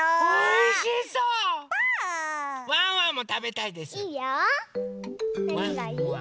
ワンワンもたべたいです。